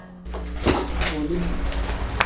Bolini.